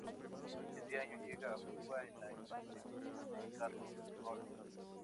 Ese año llega a Cuba en la expedición de Carlos Roloff.